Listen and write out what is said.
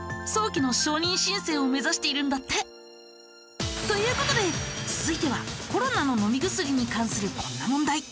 早期の承認申請を目指しているんだって。という事で続いてはコロナの飲み薬に関するこんな問題。